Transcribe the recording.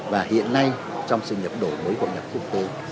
và hiện nay trong sự nhập đổi mới của nhà quốc gia